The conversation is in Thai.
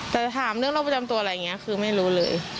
แต่ถามเรื่องโรคประจำตัวอะไรอย่างนี้คือไม่รู้เลย